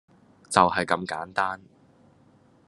就係咁簡單